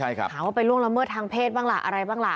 ถามว่าไปล่วงละเมิดทางเพศบ้างล่ะอะไรบ้างล่ะ